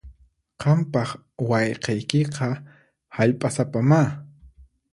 Qampaq wayqiykiqa hallp'asapamá.